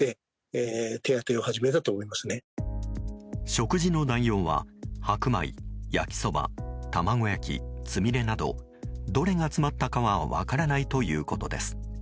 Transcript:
食事の内容は白米焼きそば、卵焼き、つみれなどどれが詰まったかは分からないということです。